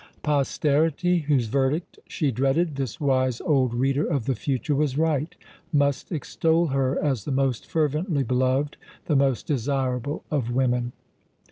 Posterity, whose verdict she dreaded this wise old reader of the future was right must extol her as the most fervently beloved, the most desirable of women.